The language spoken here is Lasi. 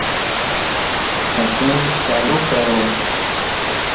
مشين چالو ڪر